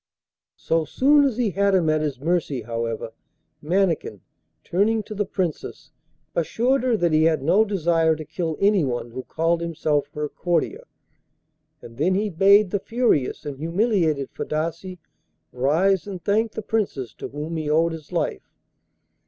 So soon as he had him at his mercy, however, Mannikin, turning to the Princess, assured her that he had no desire to kill anyone who called himself her courtier, and then he bade the furious and humiliated Fadasse rise and thank the Princess to whom he owed his life.